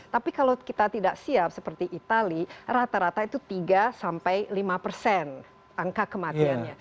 tapi kalau kita tidak siap seperti itali rata rata itu tiga sampai lima persen angka kematiannya